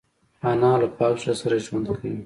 انا له پاک زړه سره ژوند کوي